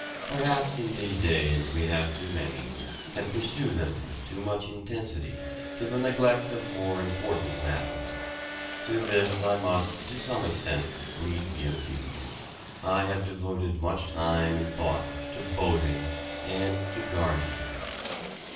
Perhaps in these days we have too many, and pursue them with too much intensity, to the neglect of more important matters. To this I must, to some extent, plead guilty. I have devoted much time and thought to boating and to gardening.